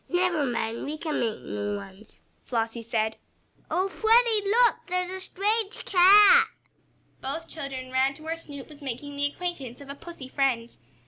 "Never mind, we can make new ones," Flossie said. "Oh, Freddie, look! There's a strange cat!" Both children ran to where Snoop was making the acquaintance of a pussy friend.